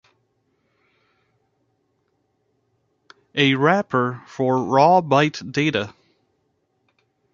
A wrapper for raw byte data.